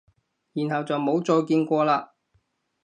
然後就冇再見過喇？